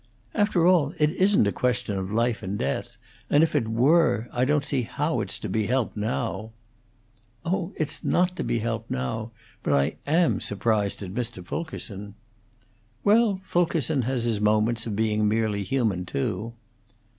"After all, it isn't a question of life and death; and, if it were, I don't see how it's to be helped now." "Oh, it's not to be helped now. But I am surprised at Mr. Fulkerson." "Well, Fulkerson has his moments of being merely human, too."